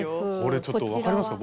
これちょっと分かりますか？